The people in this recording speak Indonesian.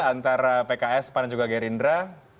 antara pks pan dan juga gerindra